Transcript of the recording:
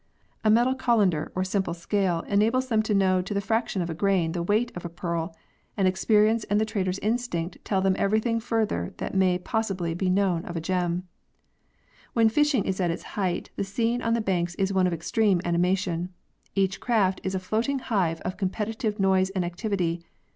A metal colander or simple scale enables them to know to the fraction of a grain the weight of a pearl, and experience and the trader's instinct tell them everything further that may pos sibly be known of a gern. When fishing is at its height, the scene on the banks is one of extreme animation. Each craft is a floating hive of competitive noise and activity.